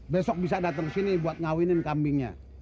besok bisa dateng kesini buat ngawinin kambingnya